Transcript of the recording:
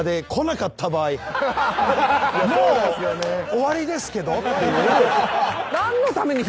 もう終わりですけどっていう。